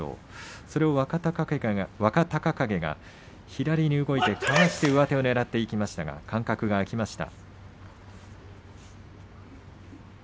それを若隆景が左に動いて上手をねらっていきましたが、間隔が空きました。